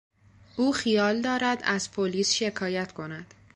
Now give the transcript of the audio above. او خیال دارد از پلیس شکایت کند.